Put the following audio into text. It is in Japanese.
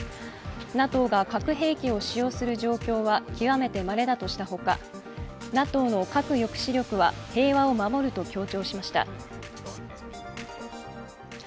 ＮＡＴＯが核兵器を使用する状況は極めてまれだとしたほかＮＡＴＯの核抑止力は平和を守ると協調しました。